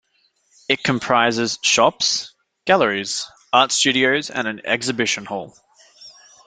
It comprises shops, galleries, art studios and an exhibition hall.